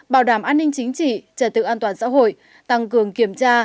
bảo đảm an ninh chính trị trật tự an toàn xã hội tăng cường kiểm tra